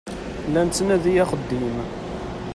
La nettnadi axeddim.